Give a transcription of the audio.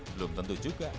belum tentu juga